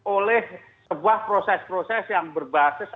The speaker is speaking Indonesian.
oleh sebuah proses proses yang berbasis